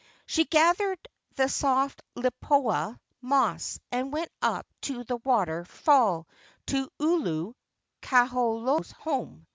She gathered the soft lipoa * moss and went up to the water¬ fall, to Ulu (Kaholo's home).